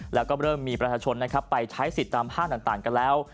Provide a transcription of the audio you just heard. แล้วก็เริ่มมีประชาชนนะครับไปใช้สิทธิ์ตามห้างต่างกันแล้ว